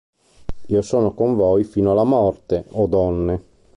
Io sono con voi fino alla morte, o donne".